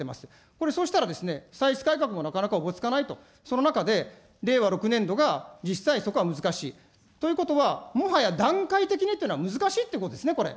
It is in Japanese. これ、そうしたら歳出改革もなかなかおぼつかないと、その中で、令和６年度が実際そこは難しい。ということはもはや段階的にというのは難しいってことですね、これ。